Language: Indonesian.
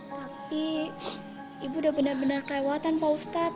tapi ibu udah benar benar kelewatan pak ustadz